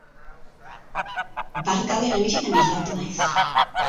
Bart gauean ametsetan ibilia ote naiz?